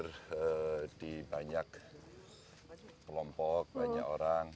jadi banyak kelompok banyak orang